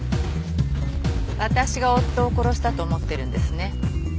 私が夫を殺したと思ってるんですね。